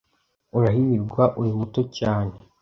Urahirwa uri muto cyane.